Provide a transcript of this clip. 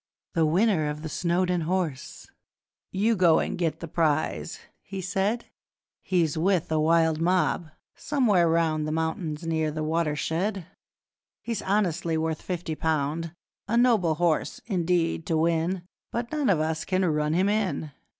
The winner of the Snowdon Horse!' 'You go and get your prize,' he said, 'He's with a wild mob, somewhere round The mountains near The Watershed; He's honestly worth fifty pound, A noble horse, indeed, to win, But none of US can run him in!